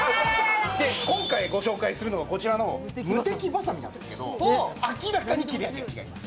今回ご紹介するのはムテキバサミなんですけど、明らかに切れ味が違います。